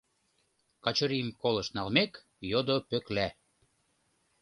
— Качырийым колышт налмек, йодо Пӧкла.